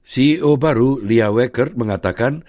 ceo baru lia weckert mengatakan